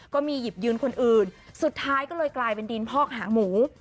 ก็มีหยิบยืนคนอื่นสุดท้ายก็เลยกลายเป็นดินพอกหางหมู